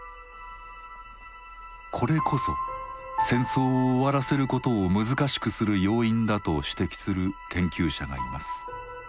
これこそ戦争を終わらせることを難しくする要因だと指摘する研究者がいます。